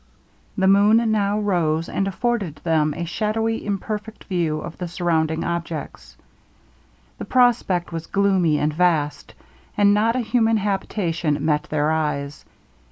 The moon now rose, and afforded them a shadowy imperfect view of the surrounding objects. The prospect was gloomy and vast, and not a human habitation met their eyes.